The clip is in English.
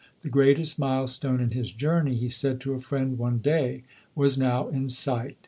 The greatest milestone in his journey, he said to a friend one day, was now in sight.